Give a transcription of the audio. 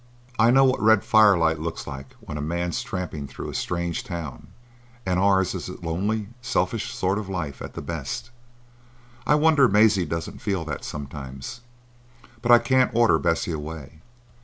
"I know what red firelight looks like when a man's tramping through a strange town; and ours is a lonely, selfish sort of life at the best. I wonder Maisie doesn't feel that sometimes. But I can't order Bessie away.